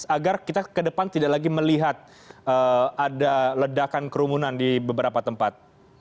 agar kita ke depan tidak lagi melihat ada ledakan kerumunan di beberapa tempat